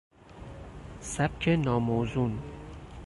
سبک ناموزون